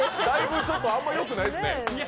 あんまりよくないですね。